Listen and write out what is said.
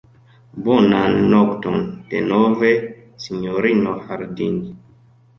Bonan nokton, denove, sinjorino Harding.